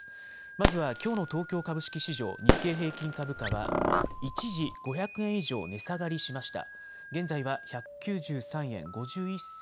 まずはきょうの東京株式市場日経平均株価は一時５００円以上値下がりしました。